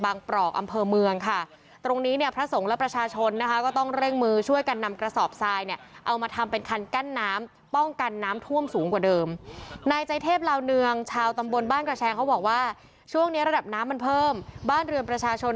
แบ่งแบ่งแบ่งแบ่งแบ่งแบ่งแบ่งแบ่งแบ่งแบ่งแบ่งแบ่งแบ่งแบ่งแบ่งแบ่งแบ่งแบ่งแบ่งแบ่งแบ่งแบ่งแบ่งแบ่ง